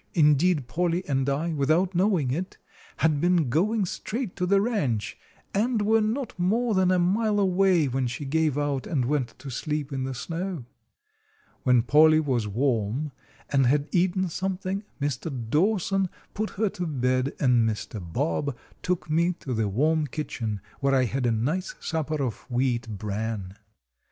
Indeed, Polly and I, without knowing it, had been going straight to the ranch, and were not more than a mile away when she gave out and went to sleep in the snow. When Polly was warm and had eaten something, Mr. Dawson put her to bed, and Mr. Bob took me to the warm kitchen, where I had a nice supper of wheat bran.